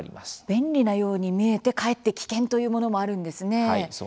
便利なように見えてかえって危険というものもあるんですね。